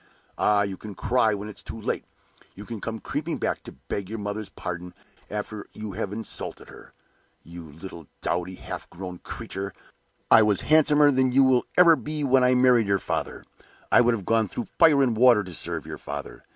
Ah, you can cry when it's too late; you can come creeping back to beg your mother's pardon after you have insulted her. You little dowdy, half grown creature! I was handsomer than ever you will be when I married your father. I would have gone through fire and water to serve your father!